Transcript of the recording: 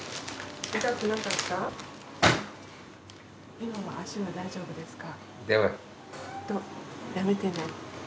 今も足は大丈夫ですか？